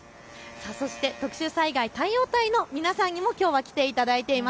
そして特殊災害対応隊の皆さんにもきょうは来ていただいています。